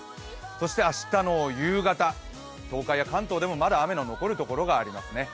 そして明日の夕方、東海や関東でもまだ雨の残るところがありますね。